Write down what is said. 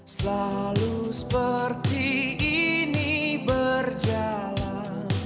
selalu seperti ini berjalan